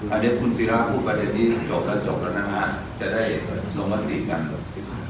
อาเดะคุณศิราพูดอาเดะนี้จบแล้วจบแล้วนะฮะจะได้สมบัติกันกัน